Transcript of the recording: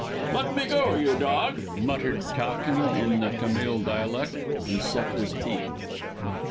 "Let me go, you dog!" muttered Towton in the Tamil dialect, and set his teeth.